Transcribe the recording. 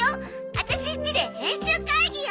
ワタシんちで編集会議よ！